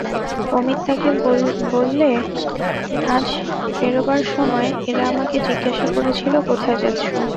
অমিত তাকে বলেল, আজ বেরোবার সময় এরা আমাকে জিজ্ঞাসা করেছিল, কোথায় যাচ্ছ।